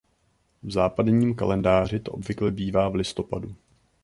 V západním kalendáři to obvykle bývá v listopadu.